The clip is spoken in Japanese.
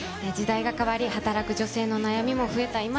時代が変わり、働く女性の悩みも増えた